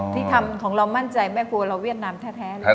ที่ทำของเรามั่นใจแม่ครัวเราเวียดนามแท้เลย